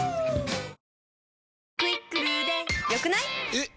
えっ！